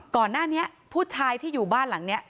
ก่อนหน้านี้ผู้ชายที่อยู่บ้านหลังนี้